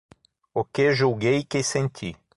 O que julguei que senti.